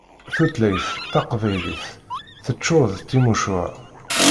Tutlayt taqbaylit teččur d timucuha.